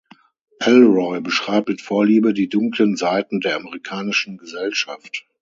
Ellroy beschreibt mit Vorliebe die dunklen Seiten der amerikanischen Gesellschaft.